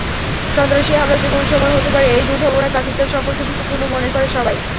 সন্ত্রাসী হামলা যেকোনো সময় হতে পারে—এই দুর্ভাবনায় পাকিস্তান সফরকে ঝুঁকিপূর্ণ মনে করে সবাই।